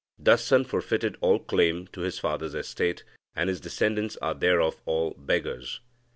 Dasan forfeited all claim to his father's estate, and his descendants are therefore all beggars.